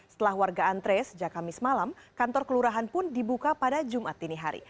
setelah warga antre sejak kamis malam kantor kelurahan pun dibuka pada jumat dini hari